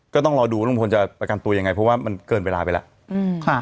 ก็ต้องรอดูว่าลุงพลจะประกันตัวยังไงเพราะว่ามันเกินเวลาไปแล้ว